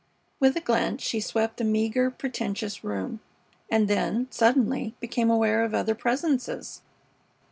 With a glance she swept the meager, pretentious room, and then, suddenly, became aware of other presences.